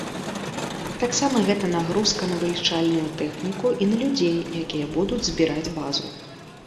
Таксама гэта нагрузка на вылічальную тэхніку і на людзей, якія будуць збіраць базу.